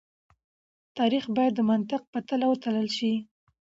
تاريخ بايد د منطق په تله وتلل شي.